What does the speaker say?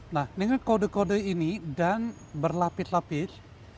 nah dengan kode kode ini dan berlapis lapis